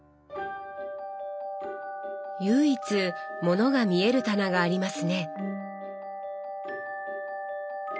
唯一物が見える棚がありますね。